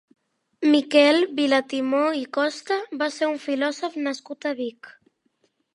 Miquel Vilatimó i Costa va ser un filòsof nascut a Vic.